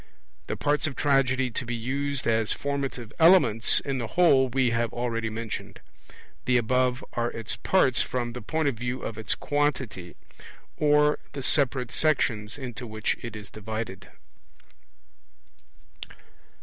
The parts of Tragedy to be used as formative elements in the whole we have already mentioned; the above are its parts from the point of view of its quantity, or the separate sections into which it is divided.